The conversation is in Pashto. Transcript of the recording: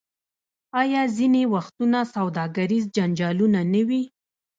آیا ځینې وختونه سوداګریز جنجالونه نه وي؟